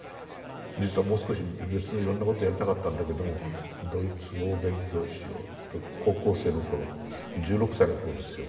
実はもう少し別のいろんなことやりたかったんだけどもドイツ語を勉強しようと高校生の頃１６歳の頃ですよ